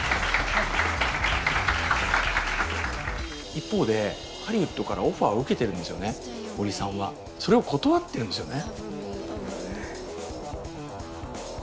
一方でハリウッドからオファーを受けてるんですよね堀さんは。それを断ってるんですよね。